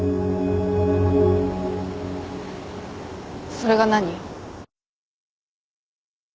それが何？